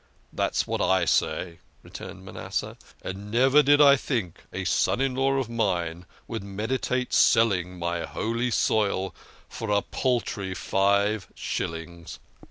" That's what I say," returned Manasseh ;" and never did I think a son in law of mine would meditate selling my holy soil for a paltry five shillings